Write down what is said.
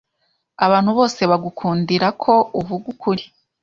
Abantu bose bagukundikrako Uvuga ukuri